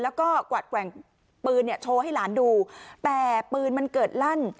แล้วก็กวาดแกว่งปืนเนี่ยโชว์ให้หลานดูแต่ปืนมันเกิดลั่น